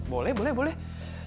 boleh boleh boleh